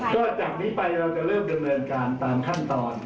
ก็จากนี้ไปเราจะเริ่มดำเนินการตามขั้นตอน